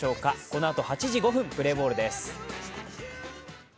このあと８時５分、プレーボールです